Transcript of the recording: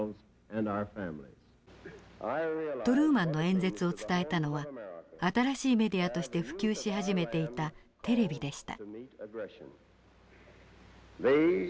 トルーマンの演説を伝えたのは新しいメディアとして普及し始めていたテレビでした。